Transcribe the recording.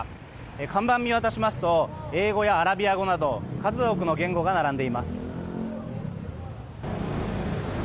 看板を見渡しますと英語やアラビア語など数多くの言語が並んでいます。